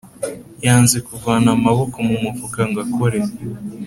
yanze kuvana maboko mu mufuka ngo akore